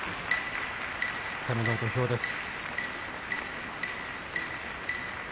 二日目の土俵です。